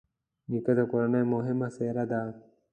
نیکه د کورنۍ مهمه څېره ده.